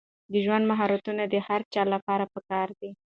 د ژوند مهارتونه د هر چا لپاره پکار دي.